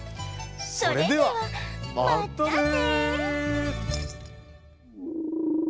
それではまったね！